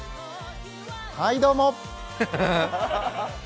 はいどうも！